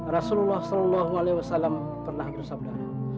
rasulullah salallahu alaihi wasalam pernah bersabda